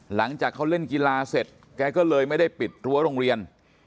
หลังจากเขาเล่นกีฬาเสร็จแกก็เลยไม่ได้ปิดรั้วโรงเรียน